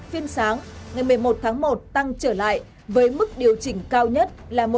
phiên sáng ngày một mươi một tháng một tăng trở lại với mức điều chỉnh cao nhất